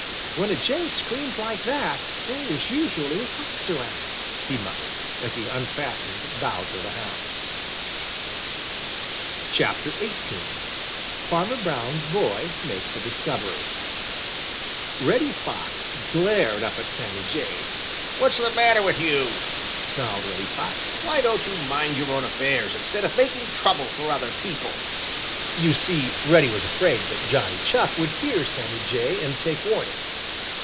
"When a jay screams like that there is usually a fox around," he muttered, as he unfastened Bowser the Hound. XVIII. FARMER BROWN'S BOY MAKES A DISCOVERY Reddy Fox glared up at Sammy Jay. "What's the matter with you?" snarled Reddy Fox. "Why don't you mind your own affairs, instead of making trouble for other people?" You see, Reddy was afraid that Johnny Chuck would hear Sammy Jay and take warning.